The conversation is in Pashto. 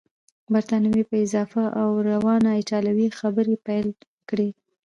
بریتانوي په صافه او روانه ایټالوې خبرې پیل کړې.